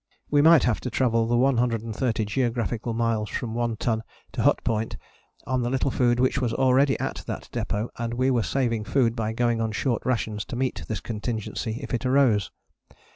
We might have to travel the 130 geographical miles from One Ton to Hut Point on the little food which was already at that depôt and we were saving food by going on short rations to meet this contingency if it arose.